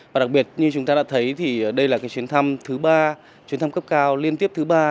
và đặc biệt như chúng ta đã thấy đây là chuyến thăm cấp cao liên tiếp thứ ba